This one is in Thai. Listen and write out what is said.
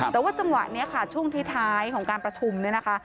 แต่ว่าจังหวะนี้ค่ะช่วงท้ายของการประชุมเนี่ยนะคะ